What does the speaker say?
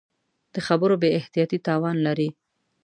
د خبرو بې احتیاطي تاوان لري